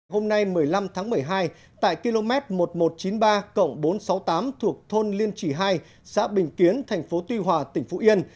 hôm nay một mươi năm tháng một mươi hai tại km một nghìn một trăm chín mươi ba bốn trăm sáu mươi tám thuộc thôn liên chỉ hai xã bình kiến thành phố tuy hòa tỉnh phú yên